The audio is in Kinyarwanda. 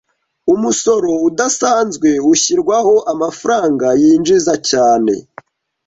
Umusoro udasanzwe ushyirwaho amafaranga yinjiza cyane.